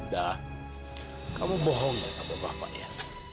nah kamu bohong ya sama bapak ya